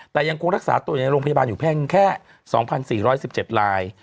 แต่ยังคงรักษาตัวอยู่ในโรงพยาบาลอยู่เพียงแค่๒๔๑๗ราย